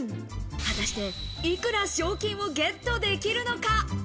果たして、いくら賞金をゲットできるのか？